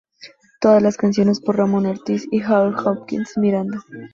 Todas las canciones por Ramón Ortiz y Harold Hopkins Miranda.